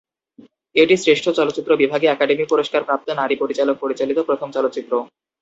এটি শ্রেষ্ঠ চলচ্চিত্র বিভাগে একাডেমি পুরস্কার প্রাপ্ত নারী পরিচালক পরিচালিত প্রথম চলচ্চিত্র।